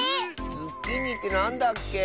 ズッキーニってなんだっけ？